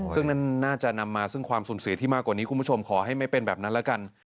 ซึ่งนั่นน่าจะนำมาซึ่งความสูญเสียที่มากกว่านี้คุณผู้ชมขอให้ไม่เป็นแบบนั้นแล้วกัน